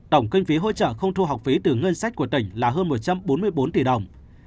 tổng kinh phí hỗ trợ không thu học phí từ ngân sách của tỉnh là hơn một trăm bốn mươi bốn tỷ đồng